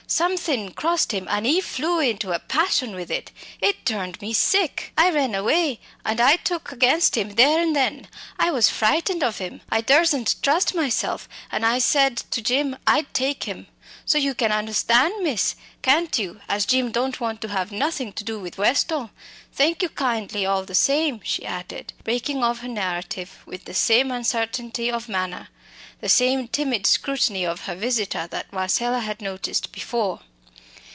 Somethin' crossed him, an' he flew into a passion with it. It turned me sick. I ran away and I took against him there and then. I was frightened of him. I duresn't trust myself, and I said to Jim I'd take him. So you can understan', miss, can't you, as Jim don't want to have nothing to do with Westall? Thank you kindly, all the same," she added, breaking off her narrative with the same uncertainty of manner, the same timid scrutiny of her visitor that Marcella had noticed before.